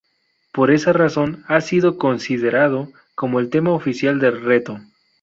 Por esa razón, ha sido considerado como el tema oficial del reto.